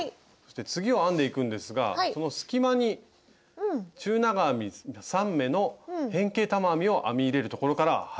次を編んでいくんですがその隙間に中長編み３目の変形玉編みを編み入れるところから始めていきましょう。